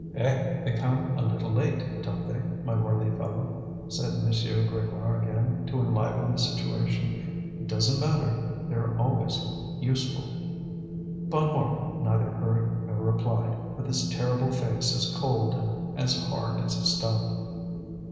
"Eh! they come a little late, don't they, my worthy fellow?" said M. Grégoire again, to enliven the situation. "It doesn't matter, they're always useful." Bonnemort neither heard nor replied, with his terrible face as cold and as hard as a stone.